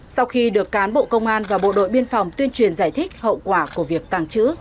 sau khi được cán bộ công an và bộ đội biên phòng tuyên truyền giải thích hậu quả của việc tàng trữ